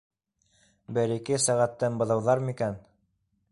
Бер-ике сәғәттән быҙауҙар микән?